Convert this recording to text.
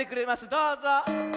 どうぞ。